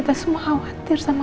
just go rasa cari mama